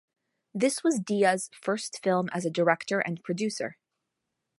This was Deeyah's first film as a director and producer.